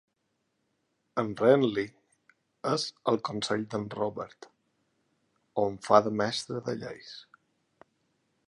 En Renly és al consell d'en Robert, on fa de mestre de lleis.